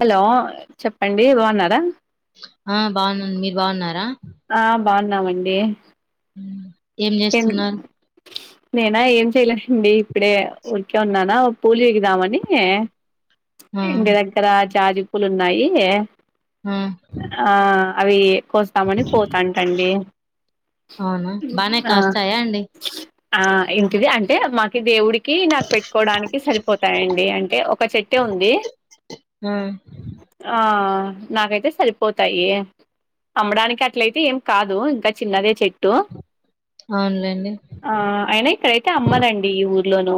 Hello చెప్పండి బావున్నారా ఆ బావున్నాను మీరు బావున్నారా ఆ బాన్నామండి ఏం చేస్తున్నారు నేనా ఏం చెయలేదండి ఇప్పుడే ఊరికే ఉన్నానా పూలు పీకుదామని ఆ ఇంటి దగ్గర జాజి పూలున్నాయి ఆ అవి కోస్తామని పోతాంటండి అవునా బానే ఆ కాస్తాయా అండి ఆ ఏంటిది అంటే మాకి దేవుడి కి నాకు పెట్టుకోవడానికి సరిపోతాయంండి అంటే ఒక చెట్టే ఉంది ఆ ఆ నాకైతే సరిపోతాయి అమ్మడానికి అట్లయితే ఏం కాదు ఇంకా చిన్నదే చెట్టు అవునులేండి ఆ అయినా ఇక్కడైతే అమ్మనండి ఈ ఊర్లోనూ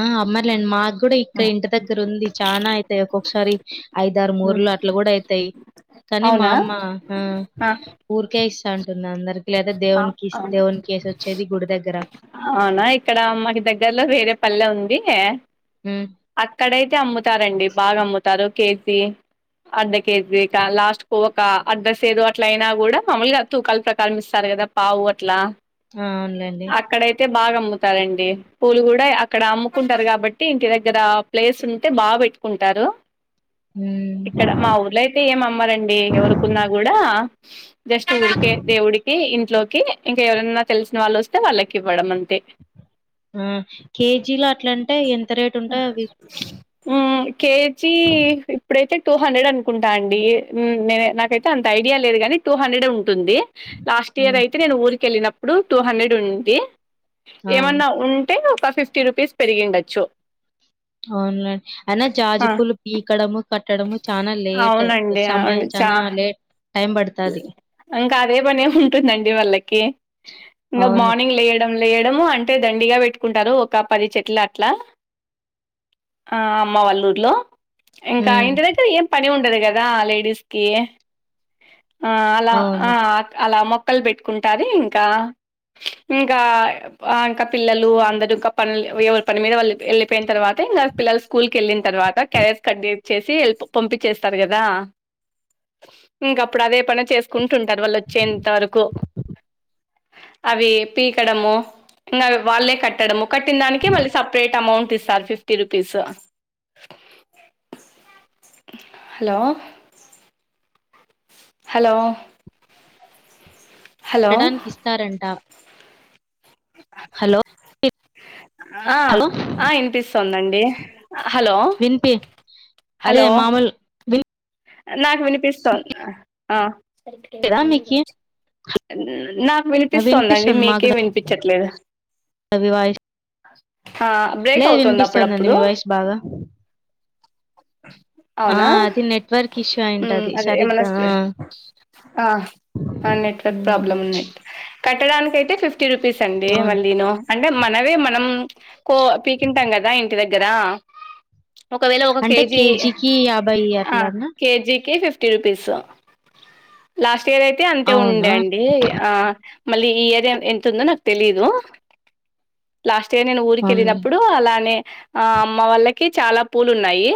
ఆ అమ్మర్లేన్డి మాగ్ కూడా ఇక్క ఇంటి దగ్గర ఉంది చానా అయితాయి ఒక్కొక్కసారి ఐదారు మూరలు అట్లా కూడా అయితాయి కానీ మా అవునా అమ్మ ఆ ఆహా ఊరికే ఇస్తాంటుంది అందరికి లేదా దేవునికిస్ అవును దేవునికేసొచ్చేది గుడి దగ్గర అవునా ఇక్కడ మాకి దగ్గర్లో వేరే పల్లె ఉంది ఉమ్ అక్కడైతే అమ్ముతారండి బాగా అమ్ముతారు కేసీ అడ్డ కేజీకా లాస్ట్ కోక అడ్డ సేదు అట్ల అయినా కూడా మమ్మల్ని తూకాల ప్రకారం ఇస్తారు కదా పావు అట్లా ఆ అవునులేండి అక్కడ అయితే బాగా అమ్ముతారండి పూలు కూడా అక్కడ అమ్ముకుంటారు కాబట్టి ఇంటి దగ్గర దగ్గర ప్లేస్ ఉంటే బాగా పెట్టుకుంటారు ఉమ్ ఇక్కడ మా ఊర్లోయితే అ ఏమమ్మరండి ఎవరుకున్నా కూడా జస్ట్ ఊరికే దేవుడికి ఇంట్లోకి ఇంకా ఎవరైనా తెలిసిన వాళ్ళు వస్తే వాళ్ళకి ఇవ్వడం అంతే ఆ కేజీలో అట్లాంటే ఎంత రేట్ ఆ ఉంటాయి అవి ఉమ్ కేజీ ఇప్పుడైతే టూ హండ్రెడ్ అనుకుంటా అండి నే నాకైతే అంత ఐడియా లేదు గానీ టూ హండ్రెడ్ ఉంటుంది లాస్ట్ ఇయర్ ఉమ్ అయితే నేను ఊరిళ్ళినప్పుడు టూ హండ్రెడ్ ఉంది ఆ ఏమన్నా ఉ అంటే ఒక ఫిఫ్టీ రూపీస్ పెరిగిండొచ్చు అన్లన్ అయినా జాజ్ ఆ పూలు పీకడము కట్టడము చానా లేట్ అవునండి సమయం అవును చా చనా లేట్ టైం పడతాది. ఇంకా అదే పని ఉంటుందండి వాళ్ళకి ఇంకా అవును. మార్నింగ్ లే లేయడము అంటే దండిగా పెట్టుకుంటారు ఒక పది చెట్లు అట్లా అమ్మ వాళ్లూర్లో ఇంకా హ్మ్. ఇంటి దగ్గర ఏం పని ఉండదు కదా లేడీస్కి ఆ అలా ఆ అవును. అలా మొక్కలు పెట్టుకుంటాది ఇంకా ఇంకా ఆ ఇంకా పిల్లలు అందర ఇంకా పను ఎవరి పని మీద వాళ్ళ వెళ్ళిపోయిన తర్వాత ఇంకా పిల్లలు స్కూల్ కెళ్ళిన తర్వాత క్యారేజ కట్చ్చేసి వెళ్ పంపి చేేస్తారు కదా అ ఇంక అప్పుడు అదే పని చేసుకుంటుంటారు వాళ్ళు వచ్చేంత వరకు అవి పీకడము ఇంకా వాళ్ళే కట్టడము కట్టిందానికి మళ్ళీ సపరేట్ అమౌంట్ ఇస్తారు ఫిఫ్ టి రూపీసో హలో హలో హలో పెట్టడానికి ఇస్తారంట హలో ఆ హలో! ఆ ఇనిపిస్తుంటుంది హలో వినిపి అదే హలో మామూలు నాకు వినిపిస్తాంది ఆ [inaudible] లేదా మీకి? నాకు ఆ! వినిపిస్తోందండి వినిపిస్తుంది మీకే వినిపించట్లేదు లేదు వా ఆ [inaudible] బ్రేక్ లేదు అవుతుంది వినిపిస్తుందండి అప్పుడప్పుడు మీ వాయిస్ బాగా ఆ అవునా అది నెట్వర్క్ ఇష్యూ మ్మ్ అయింటది అదే ఏమన్నా సరిగ్గా స్ట్రె- ఆ అన్నిట్లో హ్మ్. ప్రాబ్లమ్ ఉట్ కట్టడానికియితే ఫిఫ్టీ రూపీస్ అండి అవును. మళ్ళీ నో అంటే మనవే మనం కో పీకింటాం కదా ఇంటి దగ్గర ఒకవేళ ఒక అంటే కేజీ కేజీకి ఆ అట్లానా? కేజీకి ఫిఫ్ ఫఫ్టీ రూపీస్ లాస్ట్ ఇయర్ అయితే అంతే ఉ అవునా? అండి ఆ మళ్ళీ ఈ ఏరియా ఎంత ఉందో నాకు తెలీదు లాస్ట్ ఇయర్ నేను అవునులే. ఊరికెళ్ళినప్పుడు అలానే ఆ అమ్మ వాళ్ళకి చాలా పూలు ఉన్నాయి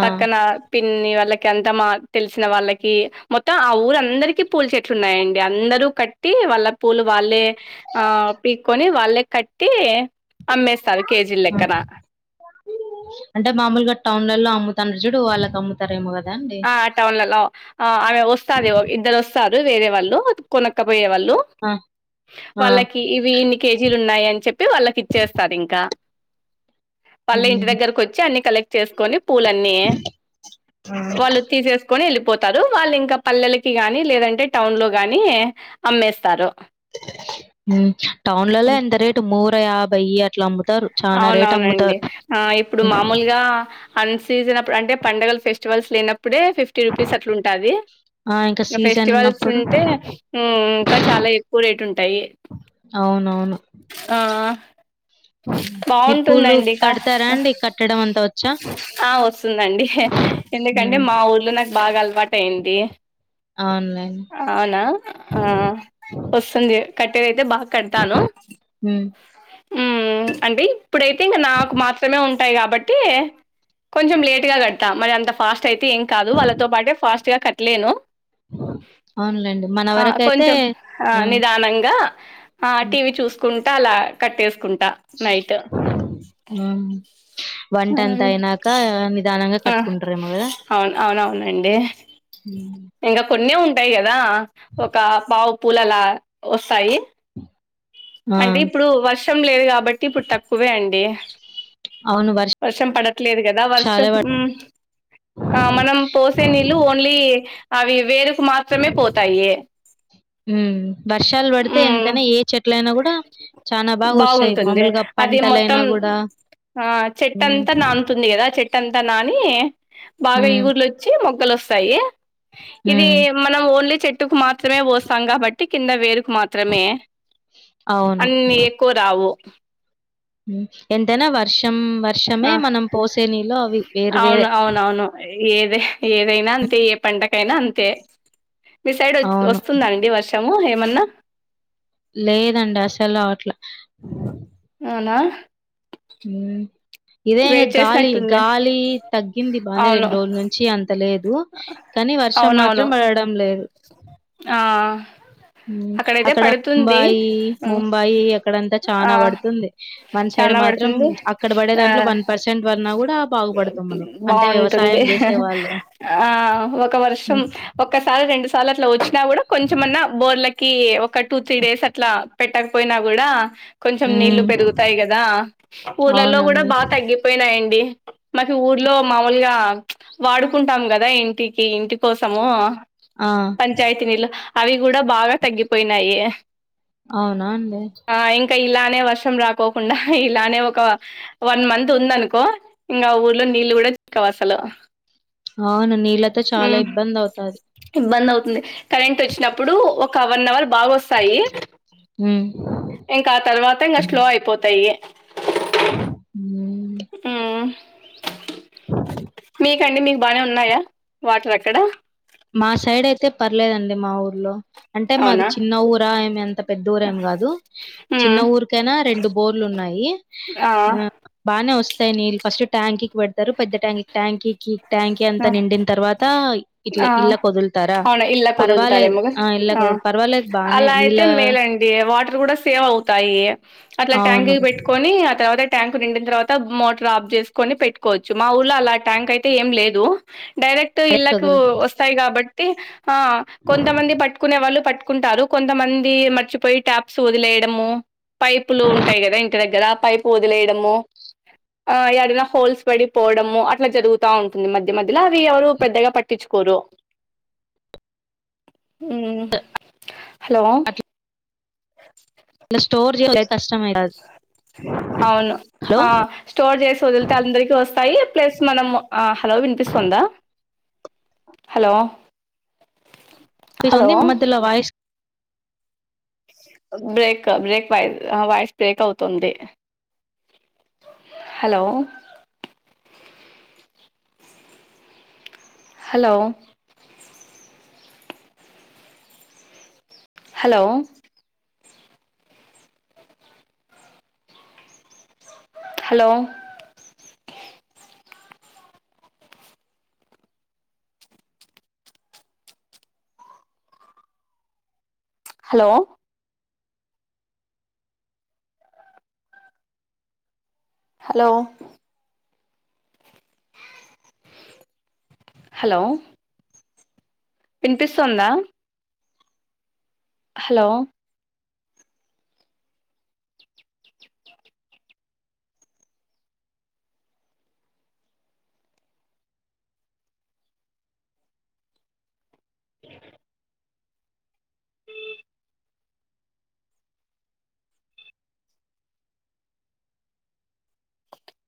ఆ! పక్కన పిన్ని వాళ్ళకి అంత మా తెలిసిన వాళ్ళకి మొత్తం ఆ ఊరుందరికి పూల్ చెట్లున్నాయండి అందరూ కట్ కట్టి వాళ్ళ పూలు వాళ్ళే ఆ పీకొని వాళ్ళే కట్టి అమ్మేస్తారు కేజీల ఆ! లెక్కన అంటే మామూలుగా టౌన్లలో అమ్ముతను చూడు వాళ్ళకి అమ్ముతారేమో కదా అండి ఆ టౌన్లలో ఆ ఆమె వస్తాది ఇద్దరు వస్తారు వేరే వాళ్ళు కొనక్కపోయే వాళ్ళు ఆ ఆ వాళ్ళకి ఇవి ఇన్ని కేజీలు ఉన్నాయని చెప్పి వాళ్ళకి ఇచ్చేస్తారు ఇంకా వాళ్ళు ఇంటి ఉమ్ దగ్గరకు వచ్చి అన్ని కలెక్ట్ చేసుకొని పూలన్నీ వాళ్ళు తీసేసు కొని వెళ్ళిపోతారు వాళ్ళు ఇంకా పల్లెలకి గాని లేదంటే టౌన్లో గాని అమ్మేస్తారు టౌన్లలో హ్మ్. ఎంతరేటు మూర యాభై అట్లా అమ్ముతారు చానా రేట్ అవునవునండి అమ్ముతారు ఆ ఇప్పుడు మామూలుగా అన్ సీజన్ అప్పుడు అంటే పండగల ఫెస్టివల్స్ లేనప్పుడే ఫిఫ్టీ రూపీస్ అట్ల ఉంటాది ఆ ఇంకా ఇగ సీజన్ ఫెస్టివల్స్ అప్పుడు ఉంటే ఇంకా చాలా ఎక్కువ రేట్ ఉంటాయి అవునవును ఆ మీరు పూలు బావుంటుందండి కా కడతారాండి కట్టడం అంతా వచ్చా ఆ వస్తుందండి ఎందుకంటే ఉమ్ మా ఊర్లో నాకు బాగా అలవాటయ్యిది ఆన్లైన్ అవునా ఆ వస్తుంది కట్టేది అయితే బాగా కడతాను ఉ హ్మ్. అంటే ఇప్పుడయితే నాకు మాత్రమే ఉంటాయి కాబట్టి కొంచెం లేట్గా కట్ తా మరి అంత ఫాస్ట్ అయితే ఏం కాదు వాళ్ళతో పాటే ఫాస్ట్ గా కట్టలేను అవునులేండి మన ఆ వరకైతే కొంచెం ఆ ఉమ్ నిధానంగా ఆ ఉమ్ టీవీ చూసుకుంటా అలా కట్టేసుకుంటా నైట్ ఆవు వంటంత అయినాక నిధానంగా ఆ! కట్టుకుంటారేమో కదా అవును. ఉ ఇంగ కొన్ని ఉంటాయి కదా ఒక పావు పూలులా వస్తాయి ఆ అంటే ఇప్పుడు వర్షం లేదు కాబట్టి ఇప్పుడు తక్కువే అండి అవును వర్షం పడట్లేదు కదా వర్షం వర్షాలే పడ్ ఉ ఆ మనం పోసే నీళ్ళు ఓన్లీ అవి వేరుకు మాత్రమే పోతాయి. హ్మ్. వర్షాలు పడితే ఉ ఎంతైనా ఏ చెట్లైనా గూడా చానా బాగొస్తాయి. బాగుంటుంది మామూలుగా అది పంటలైనా మొత్తం గూడా. ఆ హ్మ్. చెట్టాంతా నానుతుంది గదా చెట్ అంతా నాని బాగా హ్మ్. ఇగుర్లొచ్చి మొగ్గలోస్తాయి. ఇది హ్మ్. మనం ఓన్లీ చెట్టుకు మాత్రమే పోస్తాం కాబట్టి కింద వేరుకు మాత్రమే అవును. అన్ని ఎక్కువ రావు ఎంతైనా వర్షం వర్షమే ఆ మనం పోసే నీళ్ళు అవి వేరు వేరే ఏద ఏదైనా అంతే ఏ పంటగైనా అంతే మీ సైడ్ వ అవును. వస్తుందాండి వర్షము ఏమన్నా లేదండి అసలు అట్లా అవునా ఉ ఇదే వెయిట్ గాలి చేసినట్టుంది గాలి తగ్గింది అవును రెండు రోజుల నుంచి అంత లేదు కానీ వర్షం మాత్రం అవునవును పడడం లేదు ఆ అక్కడైతే అక్కడ పడుతుంది ముంబాయి ముంబాయి అక్కడంతా ఆ చానా పడుతుంది మన సైడ్ చానా మాత్రం పడుతుంది అక్కడ పడే ఆ దాంట్లో వన్ పర్సెంట్ పడినా కూడా బాగుపడతాం మనం అంటే బాగుంటుంది వ్యవసాయం హా చేసే వాళ్ళు ఆ ఒక వర్షం ఒక్కసారి రెండు సార్లు అట్లా వచ్చినా కూడా కొంచెమన్నా బోర్లకి ఒక టూ త్రీ డేస్ అట్లా పెట్టకపోయినా కూడా కొంచెం నీళ్లు మ్మ్ పెరుగుతాయి కదా ఊర్లల్లో కూడా అవునండి బాగా తగ్గిపోయింది తగ్గిపోయినాయండి మాకు ఊర్లో మామూలుగా ప్చ్ వాడుకుంటాం కదా ఇంటికి ఇంటి కోసము ఆ పంచాయతీ నీళ్ళు అవి కూడా బాగా తగ్గిపోయినాయి అవునా అండి ఆ ఇంకా ఇలానే వర్షం రాకోకుండా ఇలానే ఒక వన్ మంత్ ఉంది అనుకో ఇంకా ఊర్లో నీళ్లు కూడా చిక్కవు అసలు అవును నీళ్లతో చాలా ఇబ్బంది అవుతాది ఇబ్బంది అవుతుంది కరెంట్ వచ్చినప్పుడు ఒక వన్ అవర్ బాగోస్తాయి హ్మ్ ఇంకా ఆ తర్వాత ఇంకా స్లో అయిపోతాయి ఉమ్ ఉమ్ మీకండి మీకు బానే ఉన్నాయా వాటర్ అక్కడ మా సైడ్ అయితే పర్లేదండి మా ఊర్లో అంటే మాది అవునా? చిన్న ఊరా ఏమి అంత పెద్ద ఊరు ఏం కాదు చిన్న హ్మ్. ఊరికైనా రెండు బోర్లు ఉన్నాయి ఆ బానే వస్తాయి నీళ్లు ఫస్ట్ ట్యాంకీకి పెడతారు పెద్ద ట్యాంక్ ట్యాంకీకిి ట్యాంక్ ఆ! అంతా నిండిన తర్వాత ఇట్లా ఆ ఇళ్ళకొదులుతారా? అవునా ఇళ్ళకి పర్వాలేదు. వదుల్తారేమో కదా ఇళ్ళకు ఆ పర్వాలేదు బానే అలా నీళ్ళ అయితే మేలండి వాటర్ కూడా సేవ్ అవుతాయి అట్లా ట్యాంకీ అవును. కి పెట్టుకొని ఆ తర్వాత ట్యాంకు నిండిన తర్వాత మోటర్ ఆఫ్ చేసుకొని పెట్టుకోవచ్చు మా ఊర్లో అలా ట్యాంక్ అయితే ఏం లేదు డైరెక్ట్ కరెక్ట్ ఇళ్ళకు ఒదులు వస్తాయి కాబట్టి ఆ కొంతమంది పట్టుకునే వాళ్ళు పట్టుకు పట్టుకుంటారు కొంతమంది మర్చిపోయి ట్యాప్స్ వదిలేయడము పైపులు ఉంటాయి కదా ఇంటి దగ్గర ఆ పైపు వదిలేయడము ఆ ఏదైనా హోల్స్ పడిపోవడము అట్లా జరుగుతా ఉంటుంది ఉంటుంది మధ్య మధ్యల అవి ఎవరూ పెద్దగా పట్టించుకోరు హలో అట్లా స్టోర్ చేయడం కష్టమే కాదు. అవును హలో! ఆ స్టోర్ చేసి వదిలితే అందరికి వస్తాయి ప్లస్ మనం ఆ హలో వినిపిస్తుందా హలో హలో మధ్యలో వాయిస్ బ్రేక్ బ్రేక్ వాయిస్ నా వాయిస్ బ్రేక్ అవుతుంది hello hello hello hello hello hello hello వినిపిస్తుందా హలో ఉ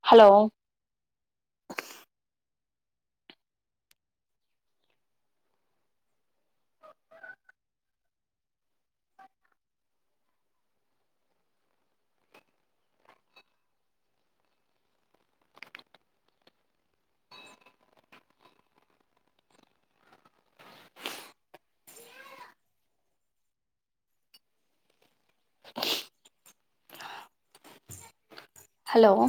హలో హలో